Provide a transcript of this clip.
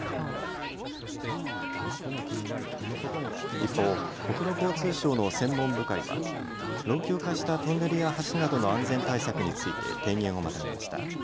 一方、国土交通省の専門部会は老朽化したトンネルや橋などの安全対策について提言をまとめました。